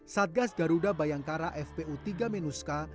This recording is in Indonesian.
satgas garuda bayangkara fpu tiga menuska